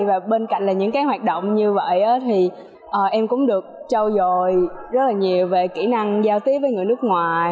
và bên cạnh là những cái hoạt động như vậy thì em cũng được trao dồi rất là nhiều về kỹ năng giao tiếp với người nước ngoài